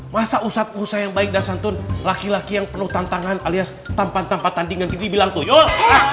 masa ustadz ustadz yang baik dan santun laki laki yang penuh tantangan alias tampan tanpa tandingan gitu bilang tuyul